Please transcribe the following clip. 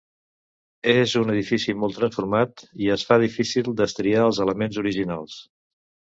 És un edifici molt transformat, i es fa difícil destriar els elements originals.